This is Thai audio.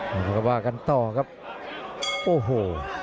แล้วก็ว่ากันต่อครับโอ้โฮ